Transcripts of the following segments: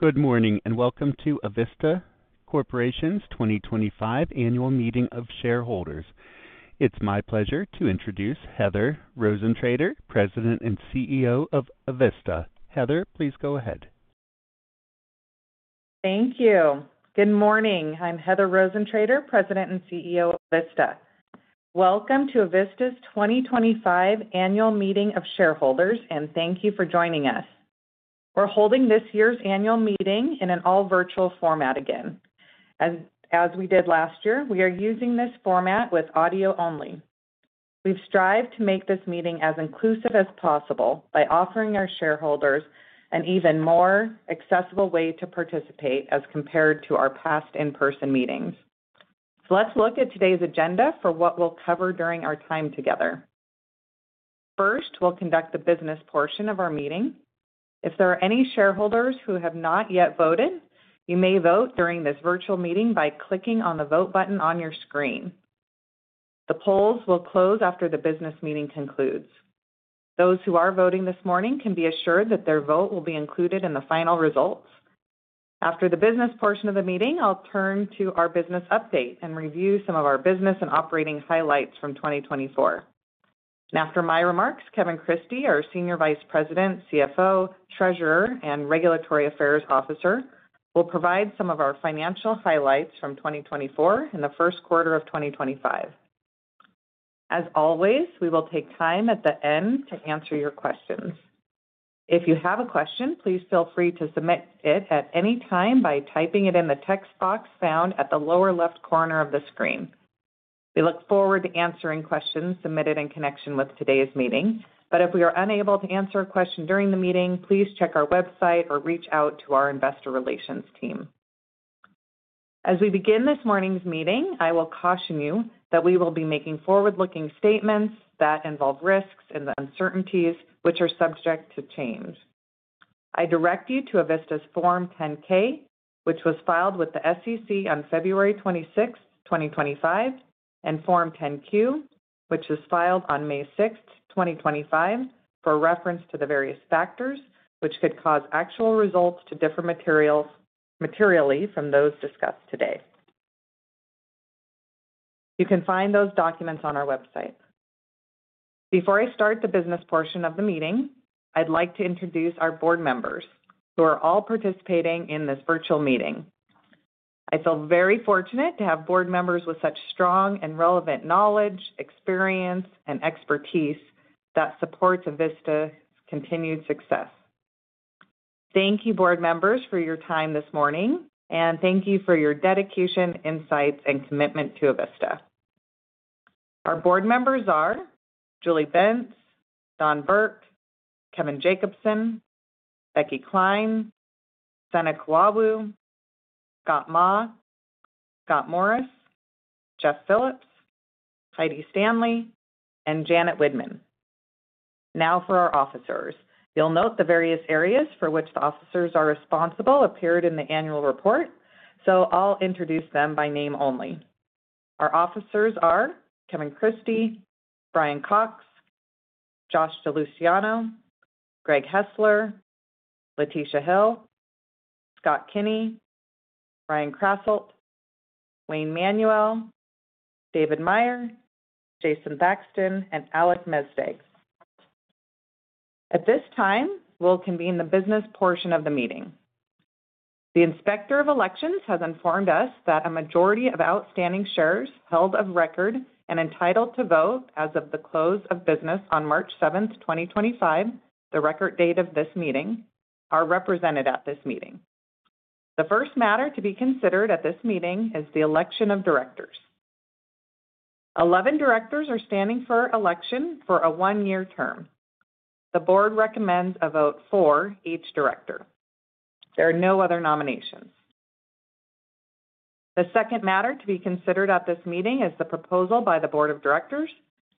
Good morning and welcome to Avista Corporation's 2025 Annual Meeting of Shareholders. It's my pleasure to introduce Heather Rosentrater, President and CEO of Avista. Heather, please go ahead. Thank you. Good morning. I'm Heather Rosentrater, President and CEO of Avista. Welcome to Avista's 2025 Annual Meeting of Shareholders, and thank you for joining us. We're holding this year's annual meeting in an all-virtual format again. As we did last year, we are using this format with audio only. We've strived to make this meeting as inclusive as possible by offering our shareholders an even more accessible way to participate as compared to our past in-person meetings. Let's look at today's agenda for what we'll cover during our time together. First, we'll conduct the business portion of our meeting. If there are any shareholders who have not yet voted, you may vote during this virtual meeting by clicking on the vote button on your screen. The polls will close after the business meeting concludes. Those who are voting this morning can be assured that their vote will be included in the final results. After the business portion of the meeting, I'll turn to our business update and review some of our business and operating highlights from 2024. After my remarks, Kevin Christie, our Senior Vice President, CFO, Treasurer, and Regulatory Affairs Officer, will provide some of our financial highlights from 2024 and the first quarter of 2025. As always, we will take time at the end to answer your questions. If you have a question, please feel free to submit it at any time by typing it in the text box found at the lower left corner of the screen. We look forward to answering questions submitted in connection with today's meeting, but if we are unable to answer a question during the meeting, please check our website or reach out to our Investor Relations team. As we begin this morning's meeting, I will caution you that we will be making forward-looking statements that involve risks and uncertainties, which are subject to change. I direct you to Avista's Form 10-K, which was filed with the SEC on February 26, 2025, and Form 10-Q, which was filed on May 6, 2025, for reference to the various factors which could cause actual results to differ materially from those discussed today. You can find those documents on our website. Before I start the business portion of the meeting, I'd like to introduce our board members who are all participating in this virtual meeting. I feel very fortunate to have board members with such strong and relevant knowledge, experience, and expertise that supports Avista's continued success. Thank you, board members, for your time this morning, and thank you for your dedication, insights, and commitment to Avista. Our board members are Julie Benz, John Burke, Kevin Jacobson, Becky Kline, Seneca Wabu, Scott Ma, Scott Morris, Jeff Phillips, Heidi Stanley, and Janet Widman. Now for our officers. You'll note the various areas for which the officers are responsible appeared in the annual report, so I'll introduce them by name only. Our officers are Kevin Christie, Brian Cox, Josh DeLuciano, Greg Hessler, Letitia Hill, Scott Kinney, Ryan Krasselt, Wayne Manuel, David Meyer, Jason Baxton, and Alec Mezdegh. At this time, we'll convene the business portion of the meeting. The Inspector of Elections has informed us that a majority of outstanding shares held of record and entitled to vote as of the close of business on March 7, 2025, the record date of this meeting, are represented at this meeting. The first matter to be considered at this meeting is the election of directors. 11 directors are standing for election for a one-year term. The board recommends a vote for each director. There are no other nominations. The second matter to be considered at this meeting is the proposal by the Board of Directors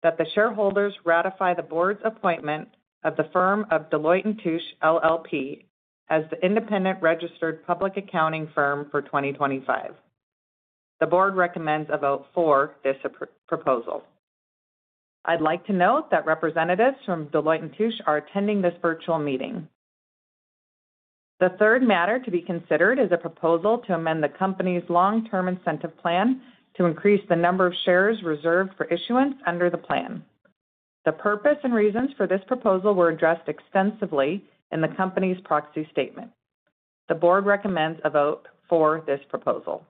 that the shareholders ratify the board's appointment of the firm of Deloitte & Touche, LLP, as the independent registered public accounting firm for 2025. The board recommends a vote for this proposal. I'd like to note that representatives from Deloitte & Touche are attending this virtual meeting. The third matter to be considered is a proposal to amend the company's long-term incentive plan to increase the number of shares reserved for issuance under the plan. The purpose and reasons for this proposal were addressed extensively in the company's proxy statement. The board recommends a vote for this proposal.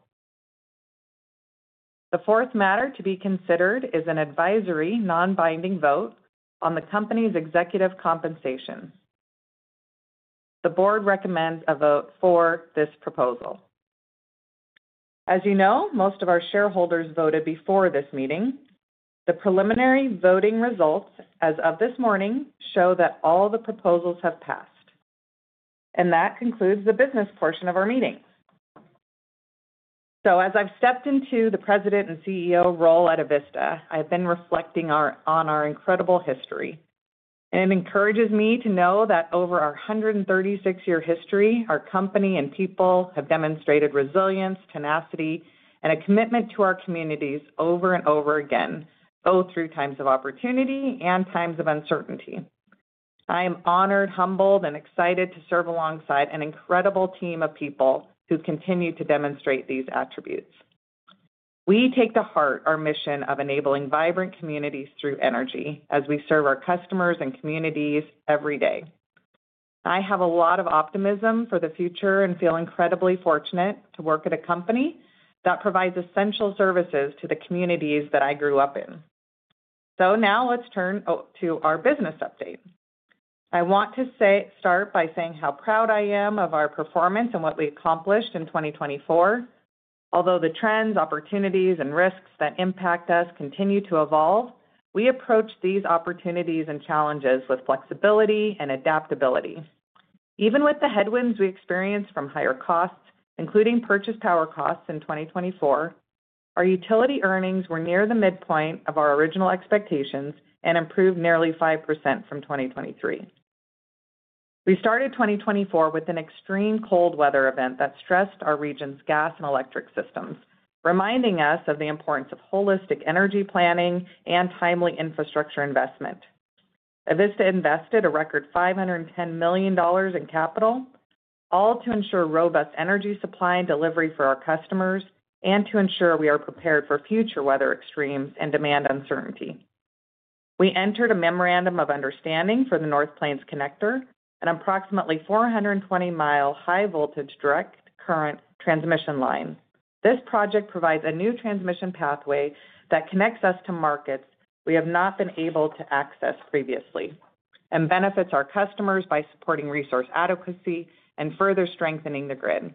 The fourth matter to be considered is an advisory non-binding vote on the company's executive compensation. The board recommends a vote for this proposal. As you know, most of our shareholders voted before this meeting. The preliminary voting results as of this morning show that all the proposals have passed. That concludes the business portion of our meeting. As I've stepped into the President and CEO role at Avista, I've been reflecting on our incredible history. It encourages me to know that over our 136-year history, our company and people have demonstrated resilience, tenacity, and a commitment to our communities over and over again, both through times of opportunity and times of uncertainty. I am honored, humbled, and excited to serve alongside an incredible team of people who continue to demonstrate these attributes. We take to heart our mission of enabling vibrant communities through energy as we serve our customers and communities every day. I have a lot of optimism for the future and feel incredibly fortunate to work at a company that provides essential services to the communities that I grew up in. Now let's turn to our business update. I want to start by saying how proud I am of our performance and what we accomplished in 2024. Although the trends, opportunities, and risks that impact us continue to evolve, we approach these opportunities and challenges with flexibility and adaptability. Even with the headwinds we experienced from higher costs, including purchase power costs in 2024, our utility earnings were near the midpoint of our original expectations and improved nearly 5% from 2023. We started 2024 with an extreme cold weather event that stressed our region's gas and electric systems, reminding us of the importance of holistic energy planning and timely infrastructure investment. Avista invested a record $510 million in capital, all to ensure robust energy supply and delivery for our customers and to ensure we are prepared for future weather extremes and demand uncertainty. We entered a memorandum of understanding for the North Plains Connector, an approximately 420-mile high-voltage direct current transmission line. This project provides a new transmission pathway that connects us to markets we have not been able to access previously and benefits our customers by supporting resource adequacy and further strengthening the grid.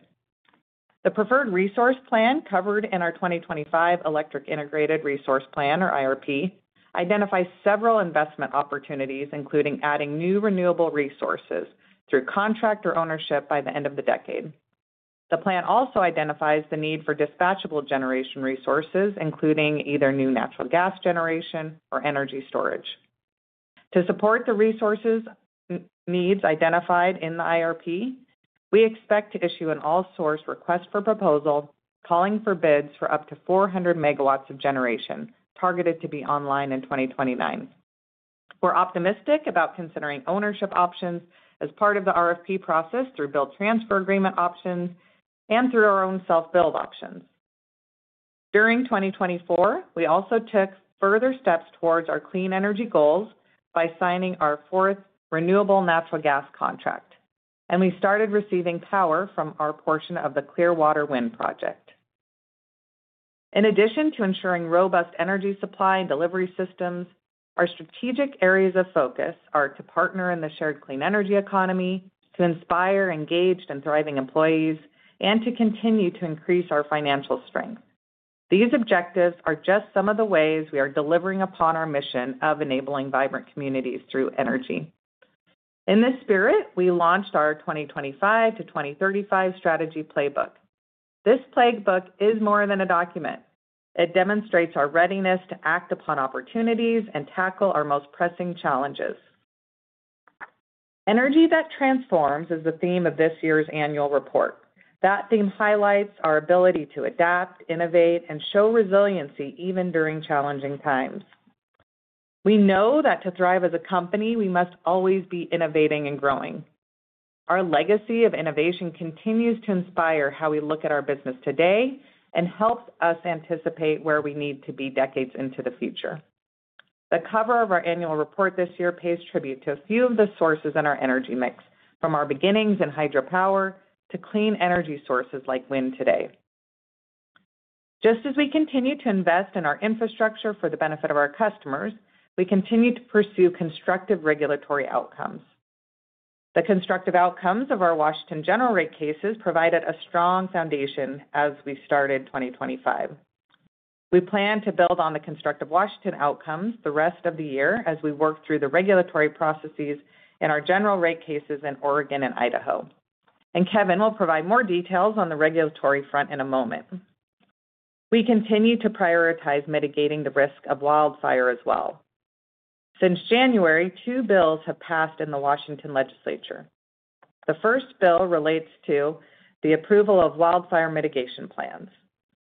The preferred resource plan covered in our 2025 Electric Integrated Resource Plan, or IRP, identifies several investment opportunities, including adding new renewable resources through contract or ownership by the end of the decade. The plan also identifies the need for dispatchable generation resources, including either new natural gas generation or energy storage. To support the resources needs identified in the IRP, we expect to issue an all-source request for proposal calling for bids for up to 400 MW of generation targeted to be online in 2029. We're optimistic about considering ownership options as part of the IRP process through bill transfer agreement options and through our own self-billed options. During 2024, we also took further steps towards our clean energy goals by signing our fourth renewable natural gas contract, and we started receiving power from our portion of the Clearwater Wind Project. In addition to ensuring robust energy supply and delivery systems, our strategic areas of focus are to partner in the shared clean energy economy, to inspire engaged and thriving employees, and to continue to increase our financial strength. These objectives are just some of the ways we are delivering upon our mission of enabling vibrant communities through energy. In this spirit, we launched our 2025 to 2035 strategy playbook. This playbook is more than a document. It demonstrates our readiness to act upon opportunities and tackle our most pressing challenges. Energy that transforms is the theme of this year's annual report. That theme highlights our ability to adapt, innovate, and show resiliency even during challenging times. We know that to thrive as a company, we must always be innovating and growing. Our legacy of innovation continues to inspire how we look at our business today and helps us anticipate where we need to be decades into the future. The cover of our annual report this year pays tribute to a few of the sources in our energy mix, from our beginnings in hydropower to clean energy sources like wind today. Just as we continue to invest in our infrastructure for the benefit of our customers, we continue to pursue constructive regulatory outcomes. The constructive outcomes of our Washington general rate cases provided a strong foundation as we started 2025. We plan to build on the constructive Washington outcomes the rest of the year as we work through the regulatory processes in our general rate cases in Oregon and Idaho. Kevin will provide more details on the regulatory front in a moment. We continue to prioritize mitigating the risk of wildfire as well. Since January, two bills have passed in the Washington legislature. The first bill relates to the approval of wildfire mitigation plans,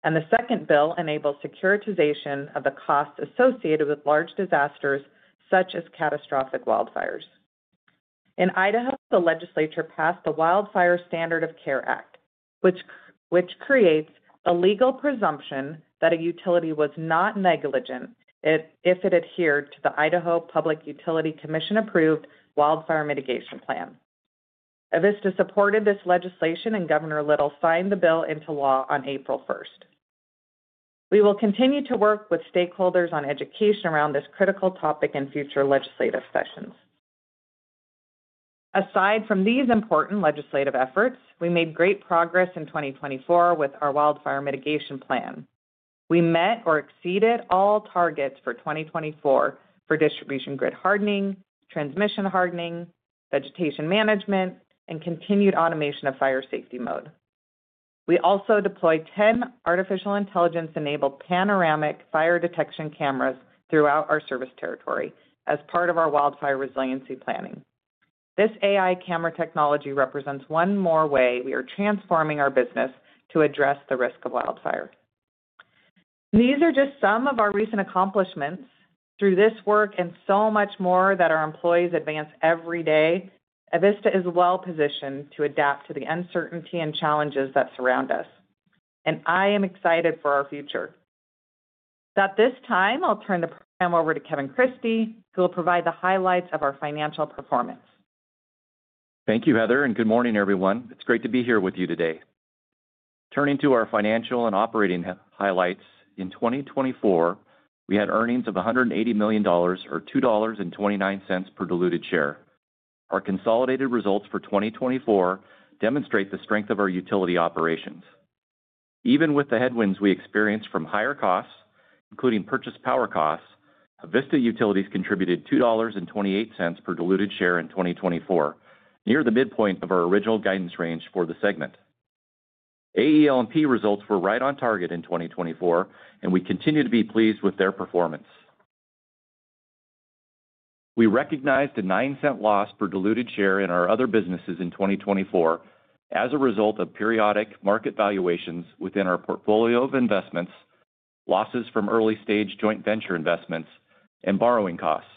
and the second bill enables securitization of the costs associated with large disasters such as catastrophic wildfires. In Idaho, the legislature passed the Wildfire Standard of Care Act, which creates a legal presumption that a utility was not negligent if it adhered to the Idaho Public Utility Commission-approved wildfire mitigation plan. Avista supported this legislation, and Governor Little signed the bill into law on April 1st. We will continue to work with stakeholders on education around this critical topic in future legislative sessions. Aside from these important legislative efforts, we made great progress in 2024 with our wildfire mitigation plan. We met or exceeded all targets for 2024 for distribution grid hardening, transmission hardening, vegetation management, and continued automation of fire safety mode. We also deployed 10 artificial intelligence-enabled panoramic fire detection cameras throughout our service territory as part of our wildfire resiliency planning. This AI camera technology represents one more way we are transforming our business to address the risk of wildfire. These are just some of our recent accomplishments. Through this work and so much more that our employees advance every day, Avista is well-positioned to adapt to the uncertainty and challenges that surround us. I am excited for our future. At this time, I'll turn the program over to Kevin Christie, who will provide the highlights of our financial performance. Thank you, Heather, and good morning, everyone. It's great to be here with you today. Turning to our financial and operating highlights, in 2024, we had earnings of $180 million, or $2.29 per diluted share. Our consolidated results for 2024 demonstrate the strength of our utility operations. Even with the headwinds we experienced from higher costs, including purchased power costs, Avista Utilities contributed $2.28 per diluted share in 2024, near the midpoint of our original guidance range for the segment. AEL&P results were right on target in 2024, and we continue to be pleased with their performance. We recognized a $0.09 loss per diluted share in our other businesses in 2024 as a result of periodic market valuations within our portfolio of investments, losses from early-stage joint venture investments, and borrowing costs.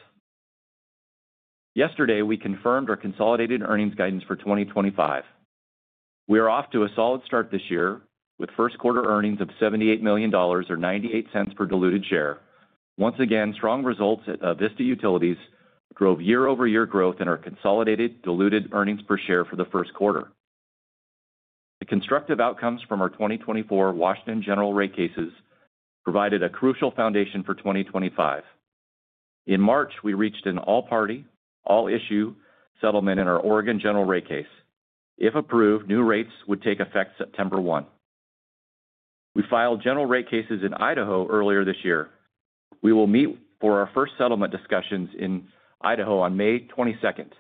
Yesterday, we confirmed our consolidated earnings guidance for 2025. We are off to a solid start this year with first-quarter earnings of $78 million, or $0.98 per diluted share. Once again, strong results at Avista Utilities drove year-over-year growth in our consolidated diluted earnings per share for the first quarter. The constructive outcomes from our 2024 Washington general rate cases provided a crucial foundation for 2025. In March, we reached an all-party, all-issue settlement in our Oregon general rate case. If approved, new rates would take effect September 1. We filed general rate cases in Idaho earlier this year. We will meet for our first settlement discussions in Idaho on May 22nd.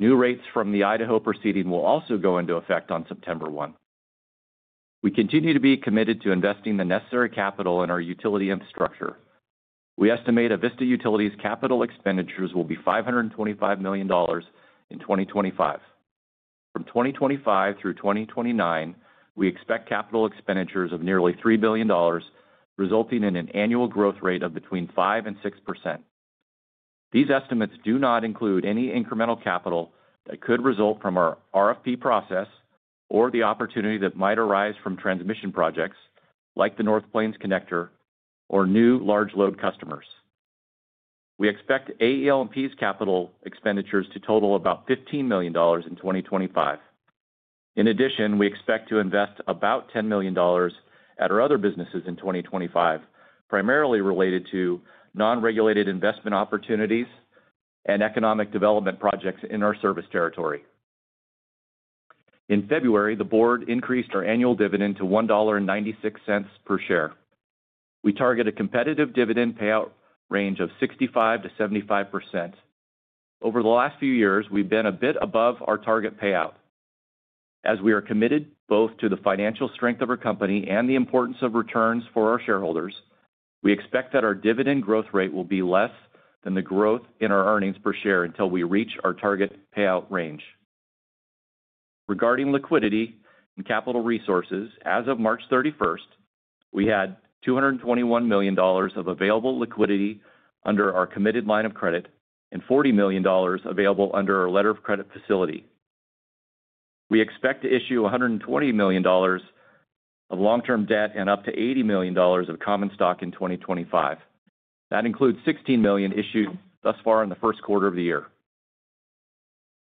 New rates from the Idaho proceeding will also go into effect on September 1. We continue to be committed to investing the necessary capital in our utility infrastructure. We estimate Avista Utilities' capital expenditures will be $525 million in 2025. From 2025 through 2029, we expect capital expenditures of nearly $3 billion, resulting in an annual growth rate of between 5% and 6%. These estimates do not include any incremental capital that could result from our IRP process or the opportunity that might arise from transmission projects like the North Plains Connector or new large load customers. We expect AEL&P's capital expenditures to total about $15 million in 2025. In addition, we expect to invest about $10 million at our other businesses in 2025, primarily related to non-regulated investment opportunities and economic development projects in our service territory. In February, the board increased our annual dividend to $1.96 per share. We target a competitive dividend payout range of 65%-75%. Over the last few years, we've been a bit above our target payout. As we are committed both to the financial strength of our company and the importance of returns for our shareholders, we expect that our dividend growth rate will be less than the growth in our earnings per share until we reach our target payout range. Regarding liquidity and capital resources, as of March 31st, we had $221 million of available liquidity under our committed line of credit and $40 million available under our letter of credit facility. We expect to issue $120 million of long-term debt and up to $80 million of common stock in 2025. That includes $16 million issued thus far in the first quarter of the year.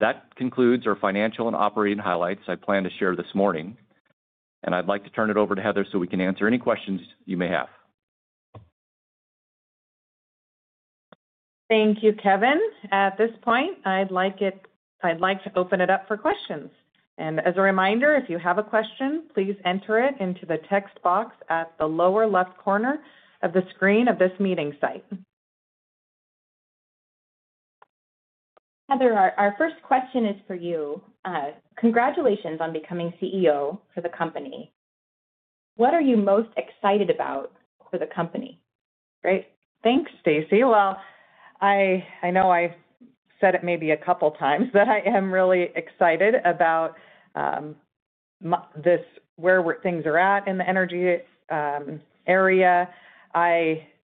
That concludes our financial and operating highlights I plan to share this morning. I would like to turn it over to Heather so we can answer any questions you may have. Thank you, Kevin. At this point, I'd like to open it up for questions. As a reminder, if you have a question, please enter it into the text box at the lower left corner of the screen of this meeting site. Heather, our first question is for you. Congratulations on becoming CEO for the company. What are you most excited about for the company? Great. Thanks, Stacey. I know I've said it maybe a couple of times that I am really excited about where things are at in the energy area.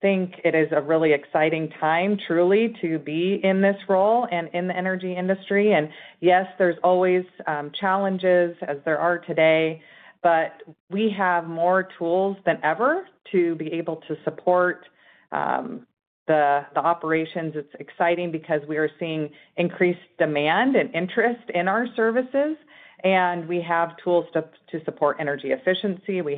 I think it is a really exciting time, truly, to be in this role and in the energy industry. Yes, there's always challenges as there are today, but we have more tools than ever to be able to support the operations. It's exciting because we are seeing increased demand and interest in our services, and we have tools to support energy efficiency. We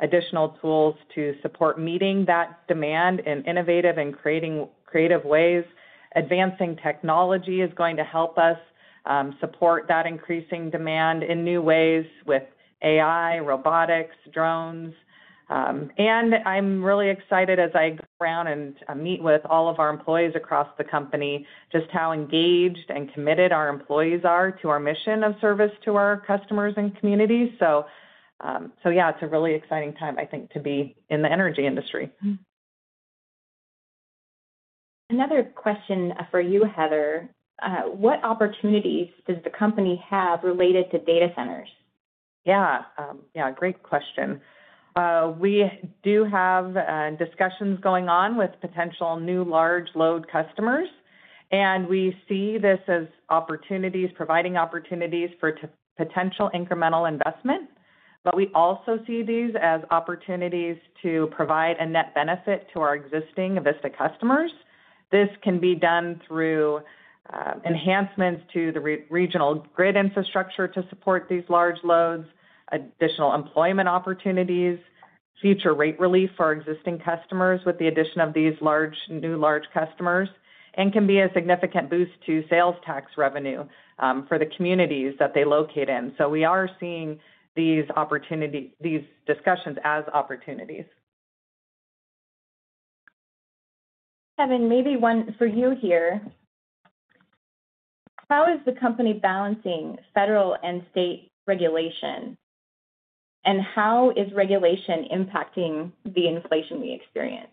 have additional tools to support meeting that demand in innovative and creative ways. Advancing technology is going to help us support that increasing demand in new ways with AI, robotics, drones. I'm really excited as I go around and meet with all of our employees across the company just how engaged and committed our employees are to our mission of service to our customers and community. Yeah, it's a really exciting time, I think, to be in the energy industry. Another question for you, Heather. What opportunities does the company have related to data centers? Yeah. Yeah, great question. We do have discussions going on with potential new large load customers, and we see this as opportunities, providing opportunities for potential incremental investment. We also see these as opportunities to provide a net benefit to our existing Avista customers. This can be done through enhancements to the regional grid infrastructure to support these large loads, additional employment opportunities, future rate relief for existing customers with the addition of these new large customers, and can be a significant boost to sales tax revenue for the communities that they locate in. We are seeing these discussions as opportunities. Kevin, maybe one for you here. How is the company balancing federal and state regulation, and how is regulation impacting the inflation we experience?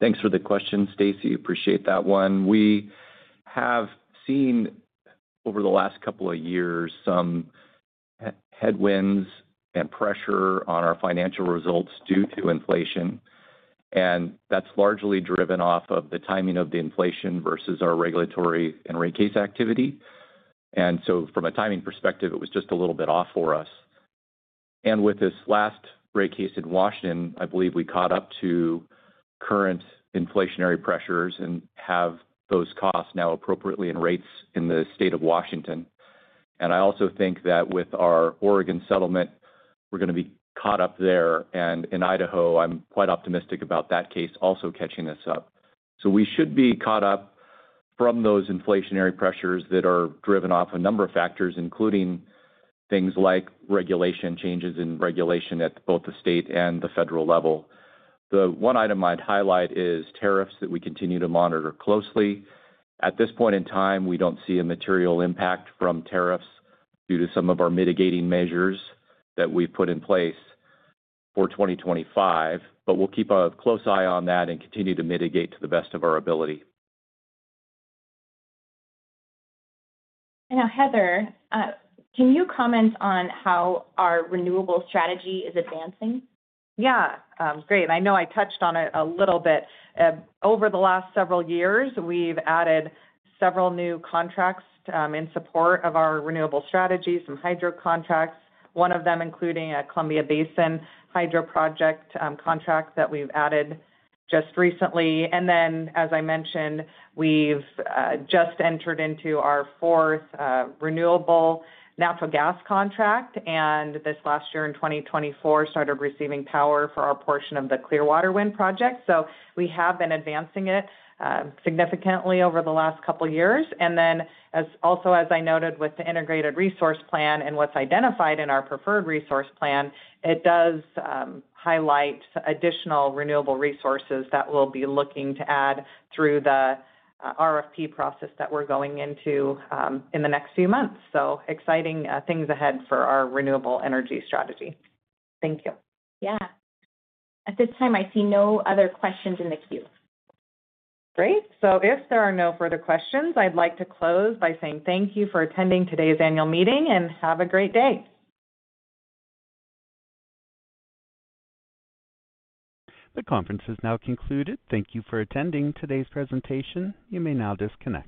Thanks for the question, Stacey. Appreciate that one. We have seen over the last couple of years some headwinds and pressure on our financial results due to inflation, and that is largely driven off of the timing of the inflation versus our regulatory and rate case activity. From a timing perspective, it was just a little bit off for us. With this last rate case in Washington, I believe we caught up to current inflationary pressures and have those costs now appropriately in rates in the state of Washington. I also think that with our Oregon settlement, we are going to be caught up there. In Idaho, I am quite optimistic about that case also catching us up. We should be caught up from those inflationary pressures that are driven off a number of factors, including things like changes in regulation at both the state and the federal level. The one item I would highlight is tariffs that we continue to monitor closely. At this point in time, we do not see a material impact from tariffs due to some of our mitigating measures that we have put in place for 2025, but we will keep a close eye on that and continue to mitigate to the best of our ability. Now, Heather, can you comment on how our renewable strategy is advancing? Yeah. Great. I know I touched on it a little bit. Over the last several years, we have added several new contracts in support of our renewable strategies, some hydro contracts, one of them including a Columbia Basin hydro project contract that we have added just recently. As I mentioned, we have just entered into our fourth renewable natural gas contract, and this last year in 2024 started receiving power for our portion of the Clearwater Wind Project. We have been advancing it significantly over the last couple of years. And then, also as I noted with the integrated resource plan and what's identified in our preferred resource plan, it does highlight additional renewable resources that we'll be looking to add through the RFP process that we're going into in the next few months. Exciting things ahead for our renewable energy strategy. Thank you. Yeah. At this time, I see no other questions in the queue. Great. If there are no further questions, I'd like to close by saying thank you for attending today's annual meeting and have a great day. The conference has now concluded. Thank you for attending today's presentation. You may now disconnect.